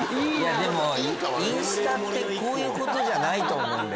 でもインスタってこういうことじゃないと思う。